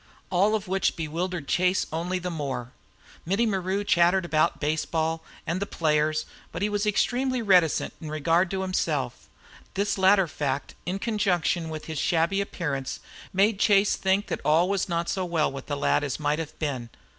All of which bewildered Chase only the more. Mittie Maru chattered about baseball and the players, but he was extremely reticent in regard to himself, this latter fact, in conjunction with his shabby appearance, made Chase think that all was not so well with the lad as it might have been.